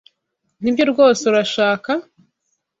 Nibyo rwose urashaka?